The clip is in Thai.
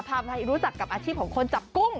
รู้จักกับอาชีพของคนจับกุ้ง